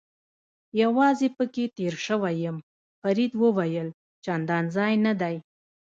یوازې پکې تېر شوی یم، فرید وویل: چندان ځای نه دی.